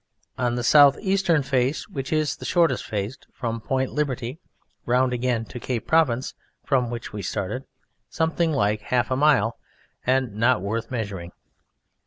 On the south eastern face, which is the shortest face, from Point Liberty (q.v.) round again to Cape Providence (q.v.), from which we started, something like half a mile, and not worth measuring.